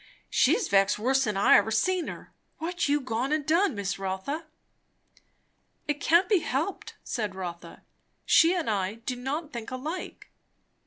"She's vexed worse'n ever I seen her. What you gone and done, Miss Rotha?" "It can't be helped," said Rotha. "She and I do not think alike."